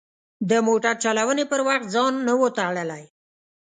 د موټر چلونې پر وخت ځان نه و تړلی.